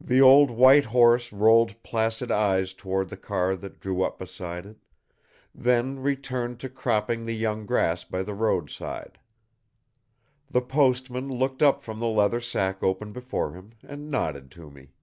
The old white horse rolled placid eyes toward the car that drew up beside it, then returned to cropping the young grass by the roadside. The postman looked up from the leather sack open before him, and nodded to me.